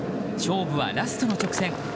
勝負はラストの直線。